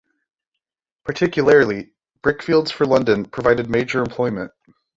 Particularly, brickfields for London, provided major employment.